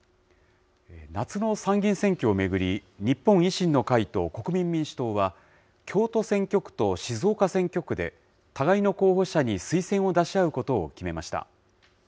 夏の参議院選挙を巡り、日本維新の会と国民民主党は、京都選挙区と静岡選挙区で、互いの候補者に推薦を出し合うことを決めました。